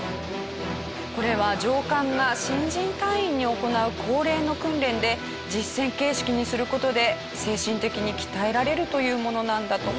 これは上官が新人隊員に行う恒例の訓練で実戦形式にする事で精神的に鍛えられるというものなんだとか。